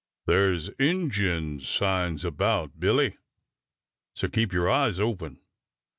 "There's Injun signs about, Billy, so keep your eyes open."